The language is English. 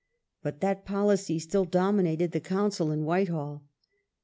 But that policy still dominated the Council in Whitehall.